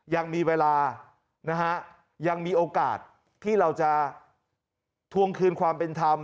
ยังมีเวลานะฮะยังมีโอกาสที่เราจะทวงคืนความเป็นธรรม